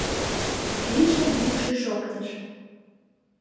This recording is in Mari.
— Гришан йӱкшӧ шоктыш.